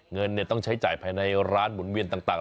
เงินต้องใช้จ่ายภายในร้านหมุนเวียนต่าง